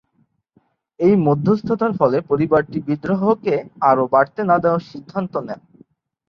এই মধ্যস্থতার ফলে পরিবারটি বিদ্রোহকে আর বাড়তে না দেওয়ার সিদ্ধান্ত নেন।